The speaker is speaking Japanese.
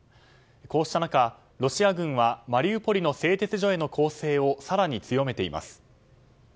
こうした中、ロシア軍はマリウポリの製鉄所への攻勢を更に強めています。